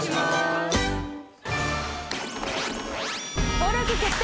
登録決定！